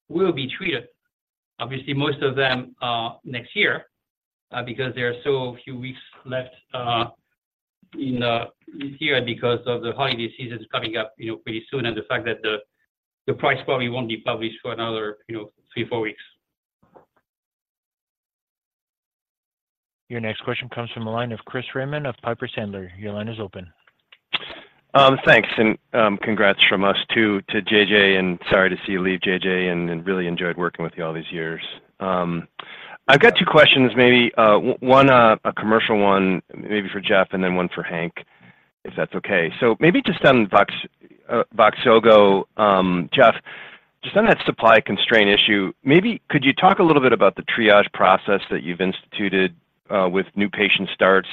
will be treated. Obviously, most of them next year because there are so few weeks left in this year because of the holiday season coming up, you know, pretty soon, and the fact that the price probably won't be published for another, you know, three to four weeks. Your next question comes from the line of Chris Raymond of Piper Sandler. Your line is open. Thanks, and congrats from us, too, to JJ, and sorry to see you leave, JJ, and really enjoyed working with you all these years. I've got two questions, maybe, one, a commercial one, maybe for Jeff and then one for Hank, if that's okay. So maybe just on Voxzogo, Jeff, just on that supply constraint issue, maybe could you talk a little bit about the triage process that you've instituted with new patient starts?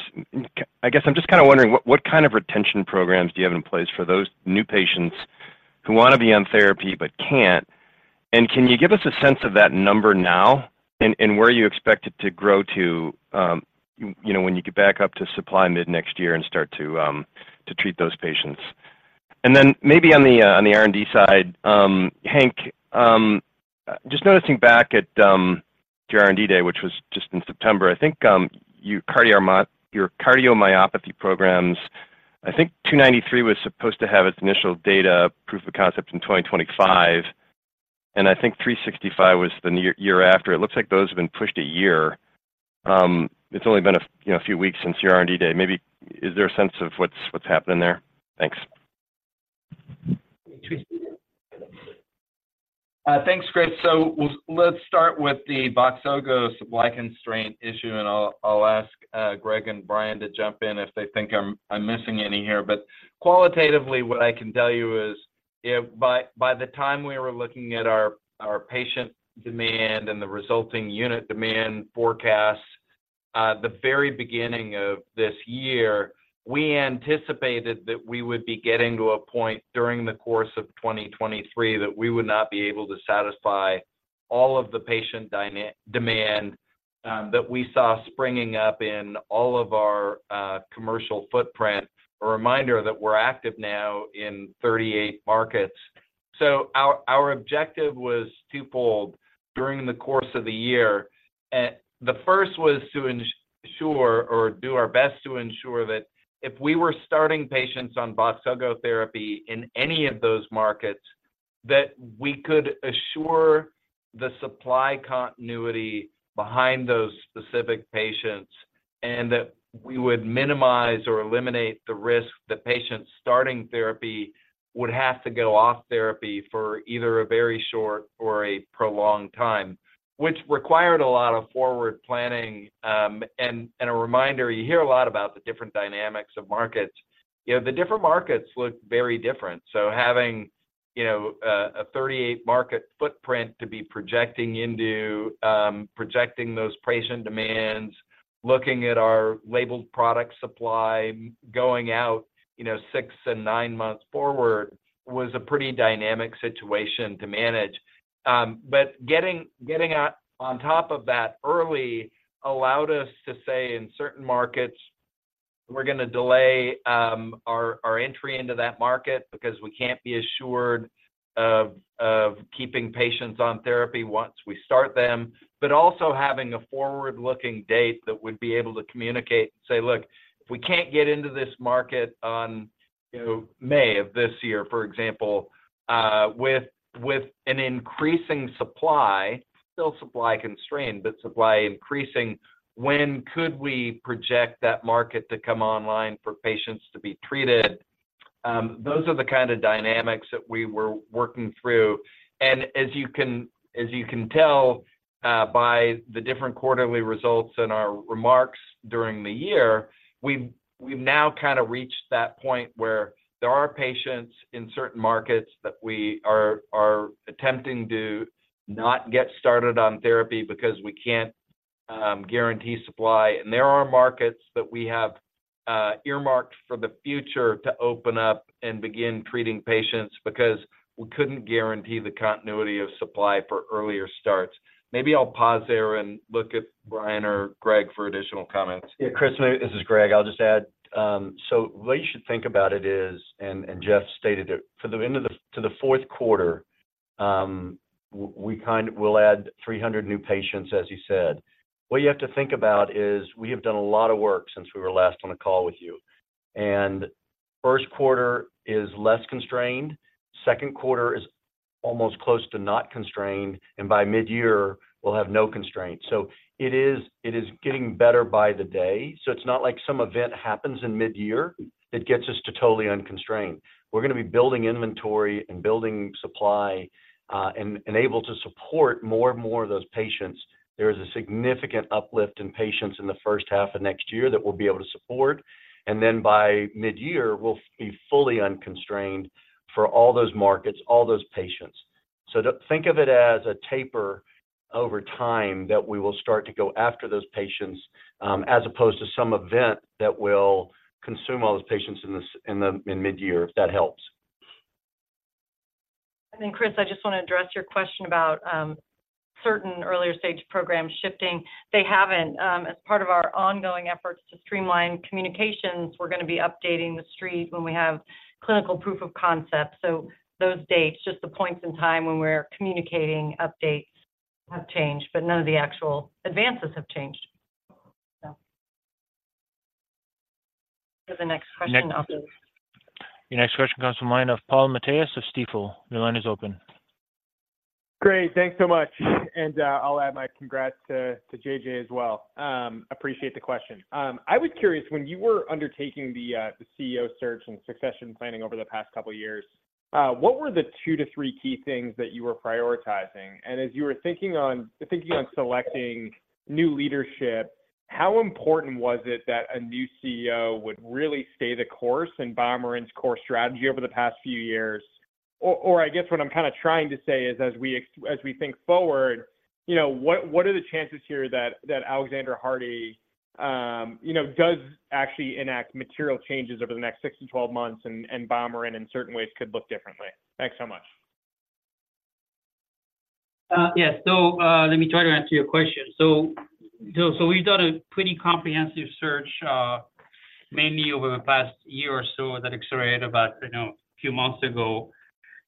I guess I'm just kind of wondering what kind of retention programs do you have in place for those new patients who want to be on therapy but can't? Can you give us a sense of that number now and where you expect it to grow to, you know, when you get back up to supply mid-next year and start to treat those patients? And then maybe on the R&D side, Hank, just noticing back at your R&D Day, which was just in September, I think, your cardiomyopathy programs, I think 293 was supposed to have its initial data proof of concept in 2025, and I think 365 was the next year after. It looks like those have been pushed a year. You know, a few weeks since your R&D Day. Maybe is there a sense of what's happening there? Thanks. Thanks, Chris. So let's start with the Voxzogo supply constraint issue, and I'll ask Greg and Brian to jump in if they think I'm missing any here. But qualitatively, what I can tell you is, by the time we were looking at our patient demand and the resulting unit demand forecast, the very beginning of this year, we anticipated that we would be getting to a point during the course of 2023 that we would not be able to satisfy all of the patient demand that we saw springing up in all of our commercial footprint. A reminder that we're active now in 38 markets. So our objective was twofold during the course of the year. The first was to ensure or do our best to ensure that if we were starting patients on Voxzogo therapy in any of those markets, that we could assure the supply continuity behind those specific patients, and that we would minimize or eliminate the risk that patients starting therapy would have to go off therapy for either a very short or a prolonged time, which required a lot of forward planning. And a reminder, you hear a lot about the different dynamics of markets. You know, the different markets look very different. So having, you know, a 38-market footprint to be projecting into, projecting those patient demands, looking at our labeled product supply, going out, you know, six and nine months forward, was a pretty dynamic situation to manage. But getting out on top of that early allowed us to say in certain markets, we're gonna delay our entry into that market because we can't be assured of keeping patients on therapy once we start them. But also having a forward-looking date that we'd be able to communicate and say, "Look, if we can't get into this market on, you know, May of this year," for example, with an increasing supply, still supply constrained, but supply increasing, when could we project that market to come online for patients to be treated? Those are the kind of dynamics that we were working through. And as you can, as you can tell by the different quarterly results in our remarks during the year, we've now kind of reached that point where there are patients in certain markets that we are attempting to not get started on therapy because we can't guarantee supply. And there are markets that we have earmarked for the future to open up and begin treating patients because we couldn't guarantee the continuity of supply for earlier starts. Maybe I'll pause there and look at Brian or Greg for additional comments. Yeah, Chris, this is Greg. I'll just add, so the way you should think about it is, and Jeff stated it, for the end of the—to the fourth quarter, we kind of... We'll add 300 new patients, as you said. What you have to think about is we have done a lot of work since we were last on a call with you. And first quarter is less constrained, second quarter is almost close to not constrained, and by midyear, we'll have no constraints. So it is, it is getting better by the day, so it's not like some event happens in midyear that gets us to totally unconstrained. We're gonna be building inventory and building supply, and able to support more and more of those patients. There is a significant uplift in patients in the first half of next year that we'll be able to support, and then by midyear, we'll be fully unconstrained for all those markets, all those patients. So think of it as a taper over time, that we will start to go after those patients, as opposed to some event that will consume all those patients in midyear, if that helps. Then, Chris, I just want to address your question about certain earlier stage programs shifting. They haven't. As part of our ongoing efforts to streamline communications, we're gonna be updating the street when we have clinical proof of concept. So those dates, just the points in time when we're communicating updates, have changed, but none of the actual advances have changed. So... Go to the next question. Next- Um. Your next question comes from the line of Paul Matteis of Stifel. Your line is open. Great, thanks so much. And, I'll add my congrats to JJ as well. Appreciate the question. I was curious, when you were undertaking the CEO search and succession planning over the past couple of years, what were the two to three key things that you were prioritizing? And as you were thinking on selecting new leadership, how important was it that a new CEO would really stay the course in BioMarin's core strategy over the past few years? Or I guess what I'm kinda trying to say is, as we think forward, you know, what are the chances here that Alexander Hardy, you know, does actually enact material changes over the next 6-12 months, and BioMarin, in certain ways, could look differently? Thanks so much. Yeah. So let me try to answer your question. So we've done a pretty comprehensive search, mainly over the past year or so, that accelerated about, you know, a few months ago.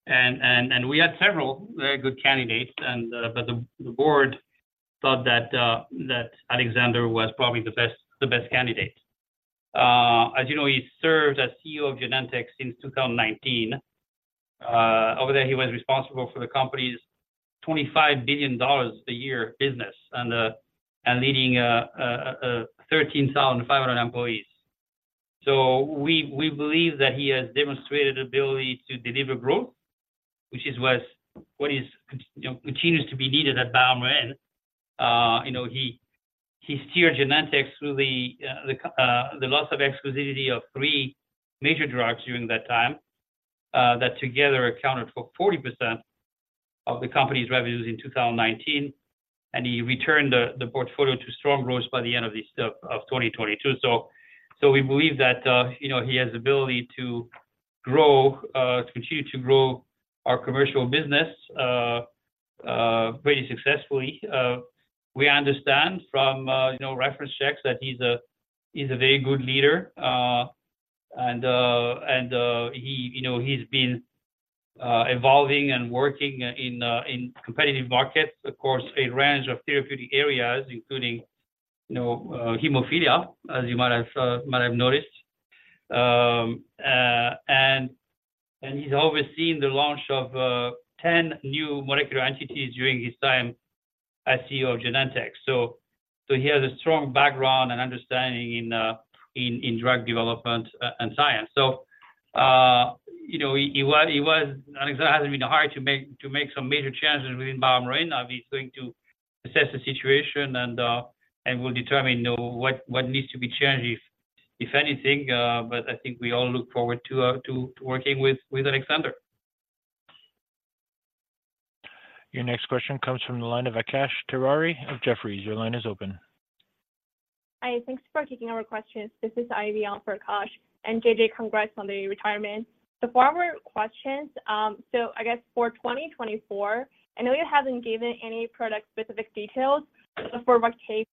And we had several very good candidates, but the board thought that Alexander was probably the best candidate. As you know, he served as CEO of Genentech since 2019. Over there, he was responsible for the company's $25 billion a year business and leading 13,500 employees. So we believe that he has demonstrated ability to deliver growth, which is what, you know, continues to be needed at BioMarin. You know, he steered Genentech through the loss of exclusivity of three major drugs during that time that together accounted for 40% of the company's revenues in 2019, and he returned the portfolio to strong growth by the end of 2022. So we believe that, you know, he has the ability to grow, to continue to grow our commercial business pretty successfully. We understand from, you know, reference checks that he's a very good leader, and he, you know, he's been evolving and working in competitive markets, across a range of therapeutic areas, including, you know, hemophilia, as you might have noticed. He has overseen the launch of 10 new molecular entities during his time as CEO of Genentech. He has a strong background and understanding in drug development and science. Alexander has been hired to make some major changes within BioMarin. Now, he's going to assess the situation and we'll determine, you know, what needs to be changed, if anything. But I think we all look forward to working with Alexander. Your next question comes from the line of Akash Tewari of Jefferies. Your line is open. Hi, thanks for taking our questions. This is Ivy on for Akash, and JJ, congrats on the retirement. The first question, so I guess for 2024, I know you haven't given any product-specific details for Roctavian.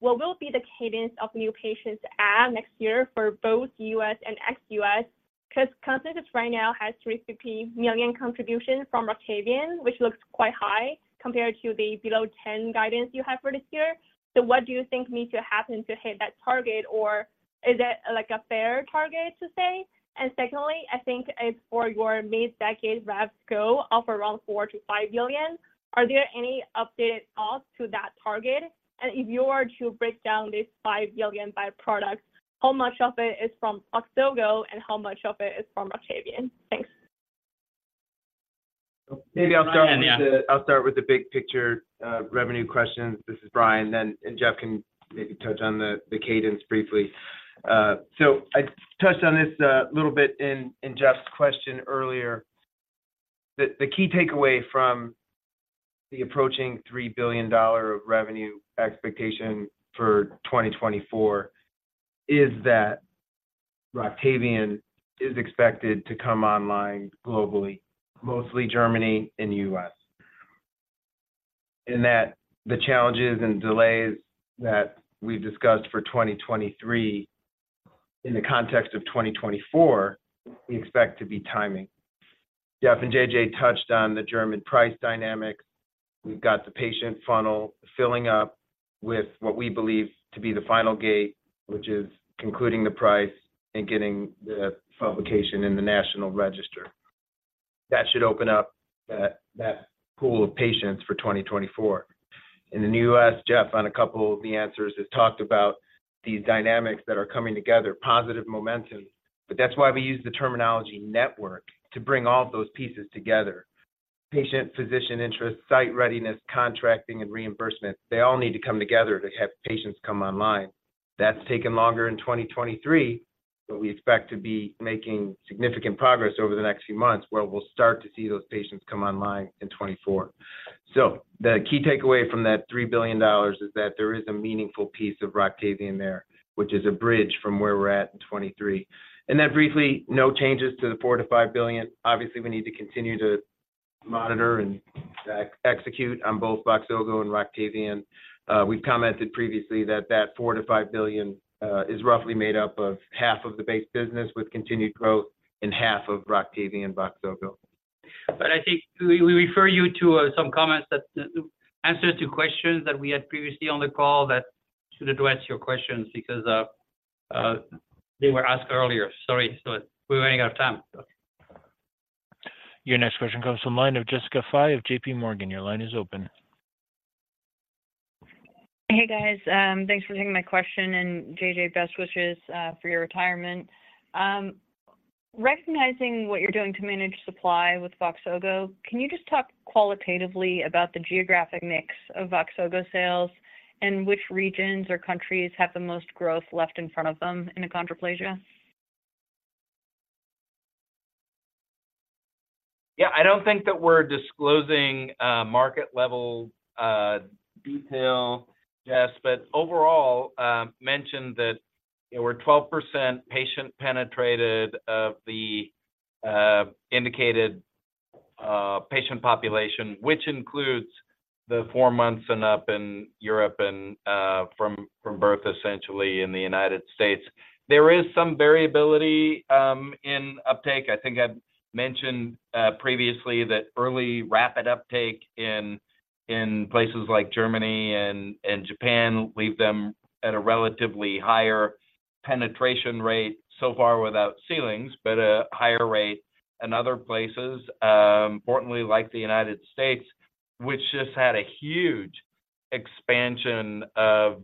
What will be the cadence of new patients add next year for both U.S. and ex-U.S.? Because consensus right now has $350 million contribution from Roctavian, which looks quite high compared to the below $10 million guidance you have for this year. So what do you think needs to happen to hit that target, or is that, like, a fair target to say? And secondly, I think as for your mid-decade revs go of around $4 billion-$5 billion, are there any updated thoughts to that target? If you were to break down this $5 billion by product, how much of it is from Voxzogo and how much of it is from Roctavian? Thanks. Maybe I'll start with the big picture, revenue question. This is Brian, then, and Jeff can maybe touch on the cadence briefly. So I touched on this little bit in Jeff's question earlier. The key takeaway from the approaching $3 billion of revenue expectation for 2024 is that Roctavian is expected to come online globally, mostly Germany and U.S. And that the challenges and delays that we've discussed for 2023, in the context of 2024, we expect to be timing. Jeff and JJ touched on the German price dynamics. We've got the patient funnel filling up with what we believe to be the final gate, which is concluding the price and getting the publication in the National Register. That should open up that pool of patients for 2024. In the new U.S., Jeff, on a couple of the answers, has talked about these dynamics that are coming together, positive momentum, but that's why we use the terminology network to bring all those pieces together. Patient, physician interest, site readiness, contracting, and reimbursement, they all need to come together to have patients come online. That's taken longer in 2023, but we expect to be making significant progress over the next few months, where we'll start to see those patients come online in 2024. So the key takeaway from that $3 billion is that there is a meaningful piece of Roctavian there, which is a bridge from where we're at in 2023. And then briefly, no changes to the $4 billion-$5 billion. Obviously, we need to continue to monitor and execute on both Voxzogo and Roctavian. We've commented previously that $4 billion-$5 billion is roughly made up of half of the base business, with continued growth in half of Roctavian and Voxzogo. But I think we refer you to some comments that answer to questions that we had previously on the call that should address your questions, because they were asked earlier. Sorry, so we're running out of time. Your next question comes from the line of Jessica Fye of JPMorgan. Your line is open. Hey, guys, thanks for taking my question, and JJ, best wishes for your retirement. Recognizing what you're doing to manage supply with Voxzogo, can you just talk qualitatively about the geographic mix of Voxzogo sales and which regions or countries have the most growth left in front of them in achondroplasia? Yeah, I don't think that we're disclosing market level detail, Jess, but overall, mentioned that we're 12% patient penetrated of the indicated patient population, which includes the four months and up in Europe and from birth, essentially, in the United States. There is some variability in uptake. I think I've mentioned previously that early rapid uptake in places like Germany and Japan leave them at a relatively higher penetration rate, so far without ceilings, but a higher rate in other places, importantly, like the United States, which just had a huge expansion of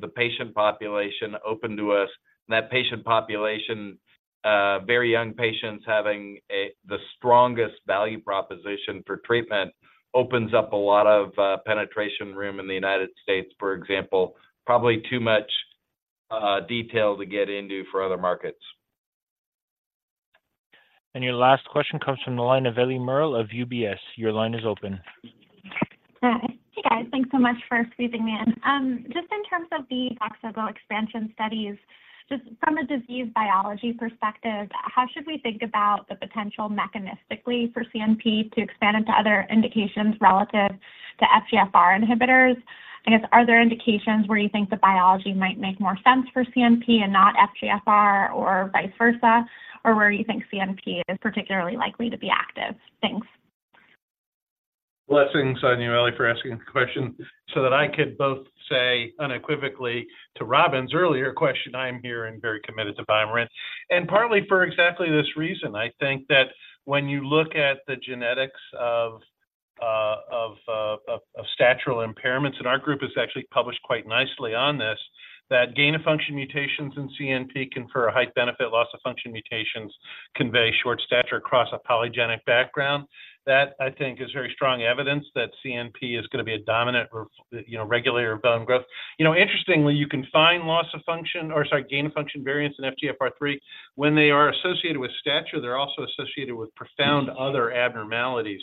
the patient population open to us. That patient population, very young patients having the strongest value proposition for treatment opens up a lot of penetration room in the United States, for example. Probably too much detail to get into for other markets. Your last question comes from the line of Ellie Merle of UBS. Your line is open. Hi. Hey, guys, thanks so much for squeezing me in. Just in terms of the Voxzogo expansion studies, just from a disease biology perspective, how should we think about the potential mechanistically for CNP to expand into other indications relative to FGFR inhibitors? I guess, are there indications where you think the biology might make more sense for CNP and not FGFR or vice versa, or where you think CNP is particularly likely to be active? Thanks. Blessings on you, Ellie, for asking the question, so that I could both say unequivocally to Robyn's earlier question, I am here and very committed to BioMarin, and partly for exactly this reason. I think that when you look at the genetics of statural impairments, and our group has actually published quite nicely on this, that gain-of-function mutations in CNP confer a height benefit, loss of function mutations convey short stature across a polygenic background. That, I think, is very strong evidence that CNP is going to be a dominant ref, you know, regulator of bone growth. You know, interestingly, you can find loss of function, or sorry, gain-of-function variants in FGFR3. When they are associated with stature, they're also associated with profound other abnormalities.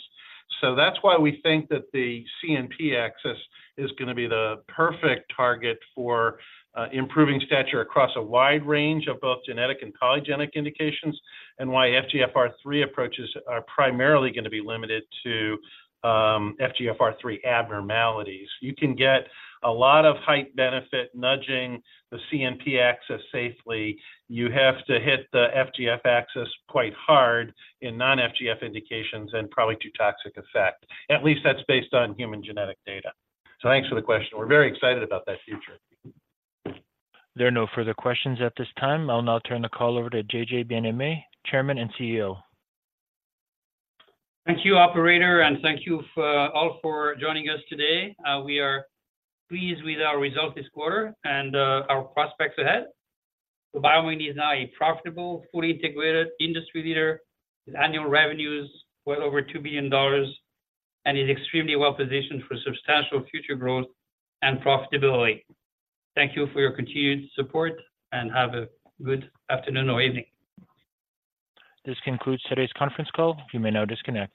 So that's why we think that the CNP axis is going to be the perfect target for improving stature across a wide range of both genetic and polygenic indications, and why FGFR3 approaches are primarily going to be limited to FGFR3 abnormalities. You can get a lot of height benefit nudging the CNP axis safely. You have to hit the FGF axis quite hard in non-FGF indications and probably to toxic effect. At least that's based on human genetic data. So thanks for the question. We're very excited about that future. There are no further questions at this time. I'll now turn the call over to JJ Bienaimé, Chairman and CEO. Thank you, operator, and thank you for all for joining us today. We are pleased with our result this quarter and, our prospects ahead. BioMarin is now a profitable, fully integrated industry leader, with annual revenues well over $2 billion, and is extremely well positioned for substantial future growth and profitability. Thank you for your continued support, and have a good afternoon or evening. This concludes today's conference call. You may now disconnect.